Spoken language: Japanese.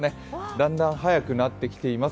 だんだん早くなってきています。